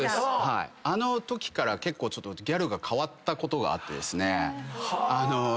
あのときから結構ギャルが変わったことがあってですね。